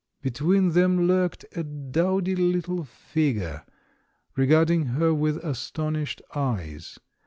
Be tween them lurked a dowdy httle figure, regard ing her with astonished eyes.